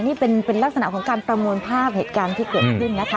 นี่เป็นลักษณะของการประมวลภาพเหตุการณ์ที่เกิดขึ้นนะคะ